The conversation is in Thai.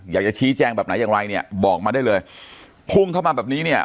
อยากจะชี้แจงแบบไหนอย่างไรเนี่ยบอกมาได้เลยพุ่งเข้ามาแบบนี้เนี่ย